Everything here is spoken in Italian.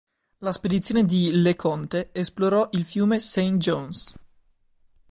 La spedizione di Le Conte esplorò il fiume Saint Johns.